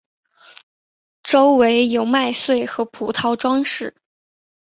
周围有麦穗和葡萄装饰。